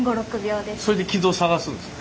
それでキズを探すんですか？